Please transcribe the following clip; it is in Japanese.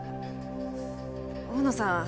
大野さん